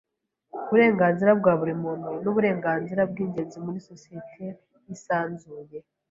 Uburenganzira bwa buri muntu nuburenganzira bwingenzi muri societe yisanzuye.